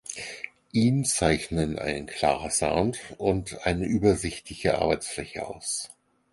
Ihn zeichnen ein klarer Sound und eine übersichtliche Arbeitsfläche aus.